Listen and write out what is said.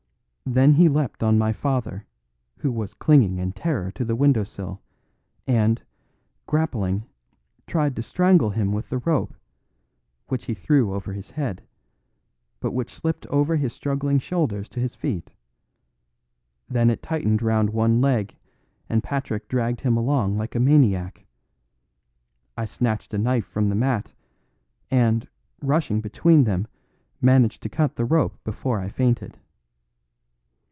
Then he leapt on my father, who was clinging in terror to the window sill, and, grappling, tried to strangle him with the rope, which he threw over his head, but which slipped over his struggling shoulders to his feet. Then it tightened round one leg and Patrick dragged him along like a maniac. I snatched a knife from the mat, and, rushing between them, managed to cut the rope before I fainted."